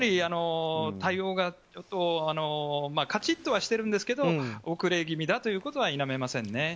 対応がカチッとはしてるんですけど遅れ気味だということは否めませんね。